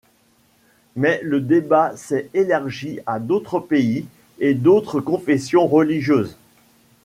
Mais le débat s'est élargi à d'autres pays et d'autres confessions religieuses.